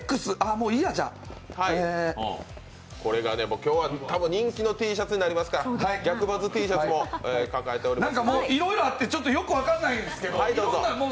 もういいや、じゃあ。今日は多分人気のＴシャツになりますから、逆バズＴシャツも抱えておりまして。